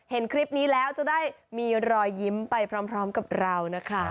เห็นคลิปนี้แล้วจะได้มีรอยยิ้มไปพร้อมกับเรานะคะ